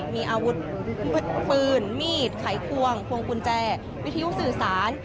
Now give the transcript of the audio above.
มีอาวุธปืนมีดไขควงพวงกุญแจวิทยุสื่อสาร